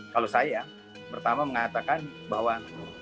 kalau saya pertama mengatakan bahwa